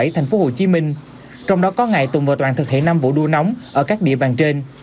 thành phố hồ chí minh trong đó có ngày tuần vừa toàn thực hiện năm vụ đua nóng ở các địa bàn trên